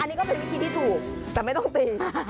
อันนี้ก็เป็นวิธีที่ถูกแต่ไม่ต้องตี